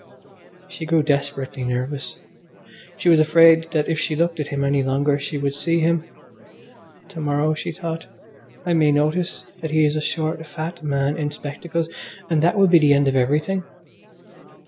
She grew desperately nervous. She was afraid that if she looked at him any longer she would see him. To morrow, she thought, I may notice that he is a short, fat man in spectacles, and that will be the end of everything.